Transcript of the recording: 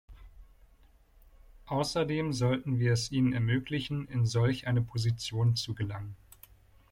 Außerdem sollten wir es ihnen ermöglichen, in solch eine Position zu gelangen.